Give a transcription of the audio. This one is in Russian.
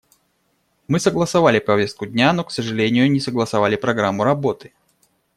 Мы согласовали повестку дня, но, к сожалению, не согласовали программу работы.